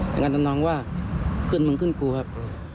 อย่างนั้นน้องว่าขึ้นมึงขึ้นกูครับ